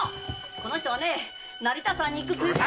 この人は成田山に行くついでに。